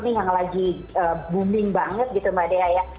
ini yang lagi booming banget gitu mbak dea ya